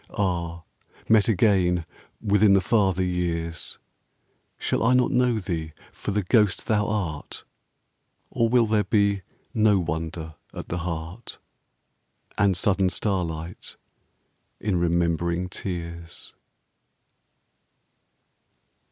Ah! met again within the farther years, Shall I not know thee for the ghost thou art? Or will there be no wonder at the heart And sudden starlight in remembering tears?